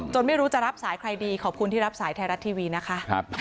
ไม่รู้จะรับสายใครดีขอบคุณที่รับสายไทยรัฐทีวีนะคะ